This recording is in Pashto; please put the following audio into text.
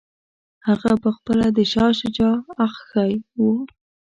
هغه پخپله د شاه شجاع اخښی وو.